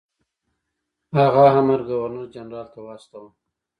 هغه امر ګورنر جنرال ته واستاوه.